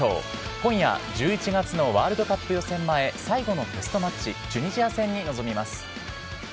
今夜、１１月のワールドカップ予選前、最後のテストマッチ、チュニジア戦に臨みます。